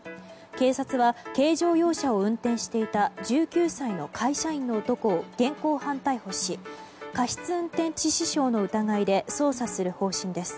警察は、軽乗用車を運転していた１９歳の会社員の男を現行犯逮捕し過失運転致死傷の疑いで捜査する方針です。